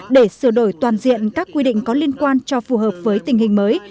để sửa đổi toàn diện các quy định có liên quan cho phù hợp với tình hình mới